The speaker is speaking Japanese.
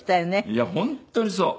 いや本当にそう。